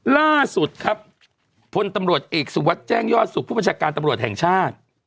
ล่าสุดครับพลตำรวจเอกสุวัสดิ์แจ้งยอดสุขผู้บัญชาการตำรวจแห่งชาติ